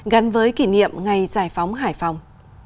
gắn với kỷ niệm ngày giải phóng hải phòng